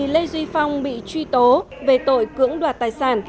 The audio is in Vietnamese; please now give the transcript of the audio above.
lê duy phong bị truy tố về tội cưỡng đoạt tài sản